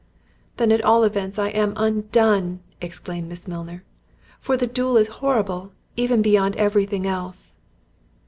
"Then at all events I am undone," exclaimed Miss Milner, "for the duel is horrible, even beyond every thing else."